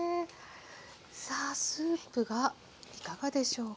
さあスープがいかがでしょうか？